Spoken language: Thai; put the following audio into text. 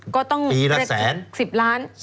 ก็ต้องเป็น๑๐ล้าน